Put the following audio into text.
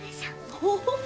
オホホ！